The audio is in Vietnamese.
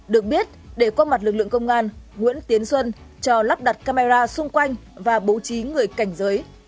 được biết để qua mặt lực lượng công an nguyễn tiến xuân cho lắp đặt camera xung quanh và bố trí người cảnh giới